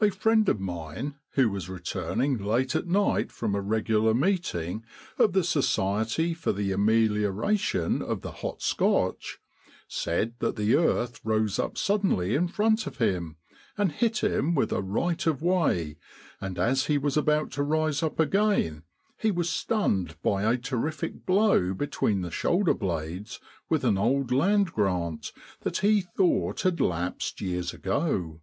A friend of mine, who was returning late at night from a regular meeting of the Society for the Amelioration of the Hot Scotch, said that the earth rose up suddenly in front of him, and hit him with a right of way, and as he was about to rise up again he was stunned by a terrific blow between the shoulder blades with an old land grant that he thought had lapsed years ago.